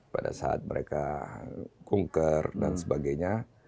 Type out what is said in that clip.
pada saat mereka kunker dan sebagainya